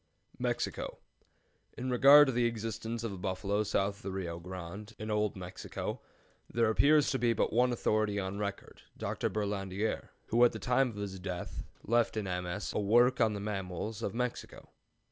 MEXICO. In regard to the existence of the bison south of the Rio Grande, in old Mexico, there appears to be but one authority on record, Dr. Berlandier, who at the time of his death left in MS. a work on the mammals of Mexico.